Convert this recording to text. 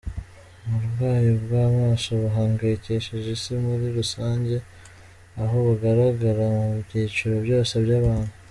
Uburwayi bw’amaso buhangayikishije isi muri rusange, aho bugaragara mu byiciro byose by’abantu.